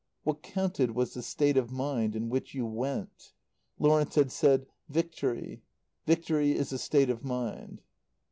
What counted was the state of mind in which you went. Lawrence had said, "Victory Victory is a state of mind."